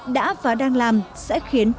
đã và đang làm sẽ khiến